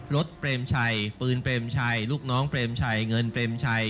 รถเตรียมชัยปืนเตรียมชัยลูกน้องเตรียมชัยเงินเตรียมชัย